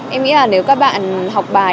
em nghĩ là nếu các bạn học bài